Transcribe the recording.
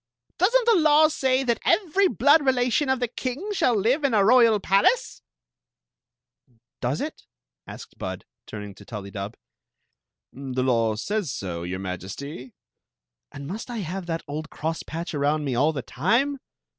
Does n't the law say that every blood relation of the king shall live in a royal palace ?" "Does it?" asked Bud turning to TuUydub. "The law says so, your Majesty." "And must I have that old crosspatch around me all the time?"